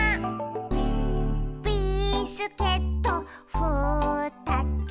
「ビスケットふたつ」